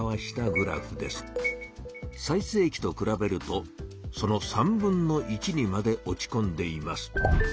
最せい期とくらべるとその３分の１にまで落ちこんでいます。